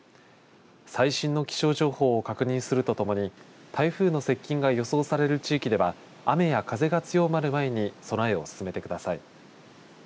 最新の気象情報を確認するとともに台風の接近が予想される地域では雨や風が強まる前に備えを進めてください。